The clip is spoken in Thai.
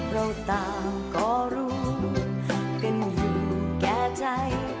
เราตามก็รู้กันอยู่แง่ใจ